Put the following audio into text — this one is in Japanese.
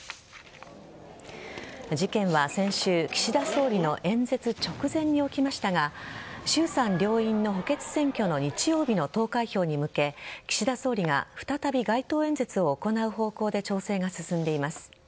事件は先週、岸田総理の演説直前に起きましたが衆参両院の補欠選挙の日曜日の投開票に向け岸田総理が再び街頭演説を行う方向で調整が進んでいます。